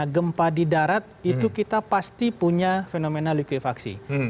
karena gempa di darat itu kita pasti punya fenomena liquefaction